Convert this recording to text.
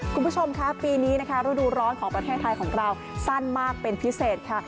คุณผู้ชมคะปีนี้นะคะฤดูร้อนของประเทศไทยของเราสั้นมากเป็นพิเศษค่ะ